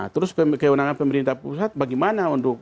terus kewenangan pemerintah pusat bagaimana untuk